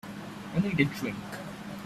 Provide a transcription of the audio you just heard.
I need a drink.